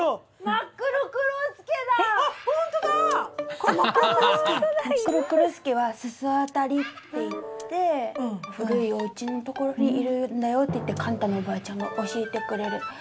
マックロクロスケはススワタリっていって古いおうちのところにいるんだよって言ってカンタのおばあちゃんが教えてくれる。